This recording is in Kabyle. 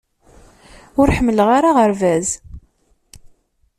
Ur ḥemmleɣ ara aɣerbaz